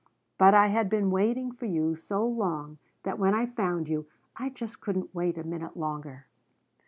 But I had been waiting for you so long that when I found you, I just couldn't wait a minute longer.